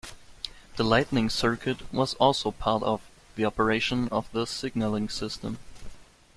The lighting circuit was also part of the operation of the signalling system.